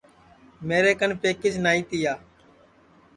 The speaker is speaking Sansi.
میرے کن پکیچ نائی تیا